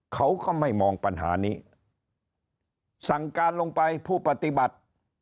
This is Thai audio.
เขาก็ไม่มองปัญหานี้สั่งการลงไปผู้ปฏิบัติ